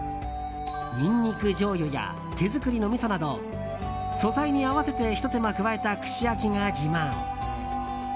ニンニクじょうゆや手造りのみそなど素材に合わせてひと手間加えた串焼きが自慢。